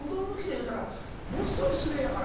言うたらものすごい失礼やから。